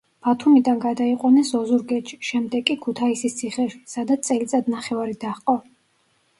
ბათუმიდან გადაიყვანეს ოზურგეთში, შემდეგ კი ქუთაისის ციხეში, სადაც წელიწადნახევარი დაჰყო.